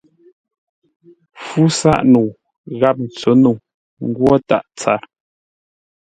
Fú sáʼ-nəu gháp ntsǒ-nəu ngwó tâʼ tsâr.